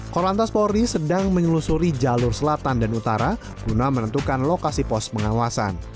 korlantas polri sedang menyelusuri jalur selatan dan utara guna menentukan lokasi pos pengawasan